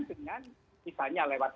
dengan misalnya lewat